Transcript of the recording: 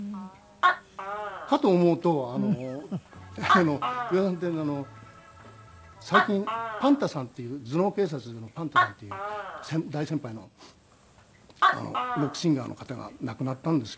かと思うと裕也さんって最近ＰＡＮＴＡさんっていう頭脳警察のＰＡＮＴＡさんっていう大先輩のロックシンガーの方が亡くなったんですけど。